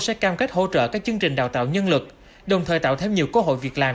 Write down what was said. sẽ cam kết hỗ trợ các chương trình đào tạo nhân lực đồng thời tạo thêm nhiều cơ hội việc làm